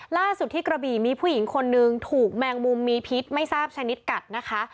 ล่าสุดที่กระบี่มีผู้หญิงคนนึงถูกแมงมุมมีพิษไม่ทราบชนิดกัดนะคะ